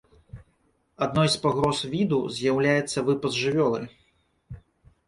Адной з пагроз віду з'яўляецца выпас жывёлы.